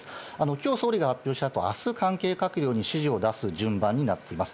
きょう、総理が発表したあと、あす、関係閣僚に指示を出す順番になっています。